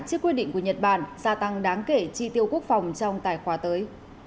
chiếc quyết định của nhật bản gia tăng đáng kể chi tiêu quốc phòng trong tài khoa tới